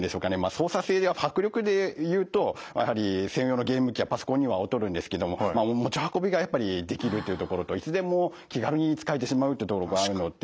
操作性や迫力でいうとやはり専用のゲーム機やパソコンには劣るんですけども持ち運びがやっぱりできるというところといつでも気軽に使えてしまうっていうところがあるので。